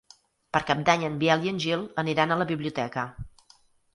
Per Cap d'Any en Biel i en Gil aniran a la biblioteca.